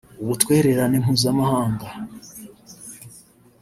ubutwererane mpuzamahanga